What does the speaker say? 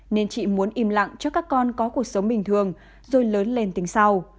nên chị muốn im lặng cho các con có cuộc sống bình thường rồi lớn lên tiếng sau